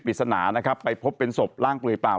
ปริศนานะครับไปพบเป็นศพร่างเปลือยเปล่า